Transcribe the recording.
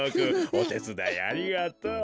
おてつだいありがとう。